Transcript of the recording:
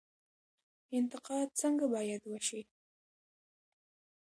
انتقاد څنګه باید وشي؟